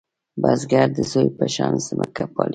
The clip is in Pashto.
بزګر د زوی په شان ځمکه پالې